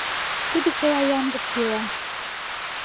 — Тудо чыла ямдыште ила.